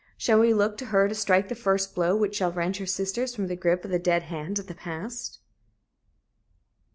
Shall we look to her to strike the first blow which shall wrench her sisters from the grip of the dead hand of the past?